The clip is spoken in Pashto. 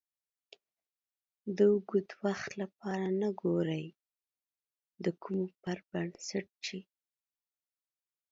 د اوږد وخت لپاره نه ګورئ د کومو پر بنسټ چې